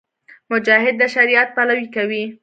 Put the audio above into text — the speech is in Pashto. مجاهد د شریعت پلوۍ کوي.